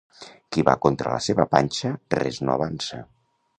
Qui va contra la seva panxa res no avança.